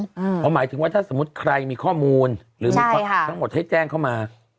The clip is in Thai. เพราะหมายถึงว่าถ้าสมมุติใครมีข้อมูลหรือมีทั้งหมดให้แจ้งเข้ามา